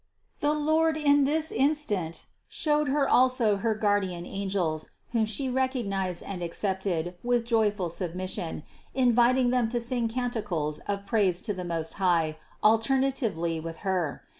232. The Lord in this instant showed Her also her guardian angels, whom she recognized and accepted with joyful submission, inviting them to sing canticles of praise to the Most High alternatively with Her.